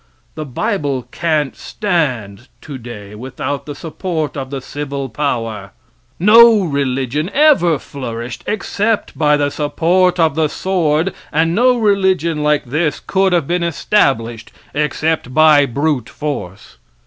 The bible can't stand today without the support of the civil power. No religion ever flourished except by the support of the sword, and no religion like this could have been established except by brute force.